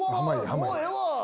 もうええわ！